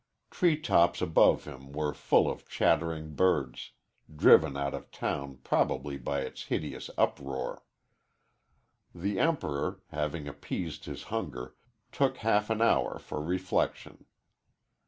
Tree tops above him were full of chattering birds, driven out of town probably by its hideous uproar. The Emperor, having appeased his hunger, took half an hour for reflection.